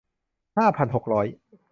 ห้าพันหกร้อย